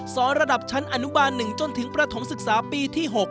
ระดับชั้นอนุบาล๑จนถึงประถมศึกษาปีที่๖